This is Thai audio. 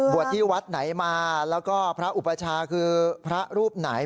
ที่วัดไหนมาแล้วก็พระอุปชาคือพระรูปไหน